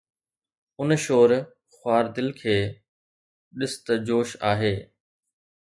اُن شور، خوار دل کي ڏس ته جوش آهي